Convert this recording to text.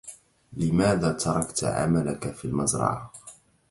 لماذا تركت عملك في المزرعة؟